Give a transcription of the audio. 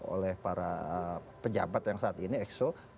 oleh para pejabat yang saat ini exo